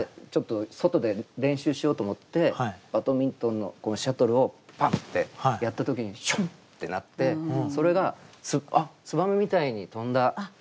ちょっと外で練習しようと思ってバドミントンのシャトルをパンッてやった時にシュンッてなってそれが燕みたいに飛んだ。